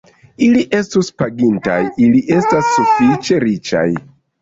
Ili estus pagintaj; ili estas sufiĉe riĉaj.